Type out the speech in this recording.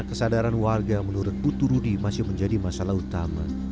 kesadaran warga menurut putu rudi masih menjadi masalah utama